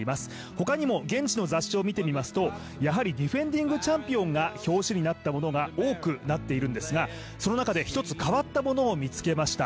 他にも現地の雑誌を見てみますとやはりディフェンディングチャンピオンが表紙になったものが多くなっているんですがその中で一つ変わったものを見つけました。